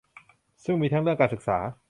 ซึ่งมีทั้งเรื่องการศึกษา